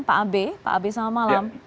pak abe selamat malam